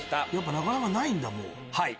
なかなかないんだもう。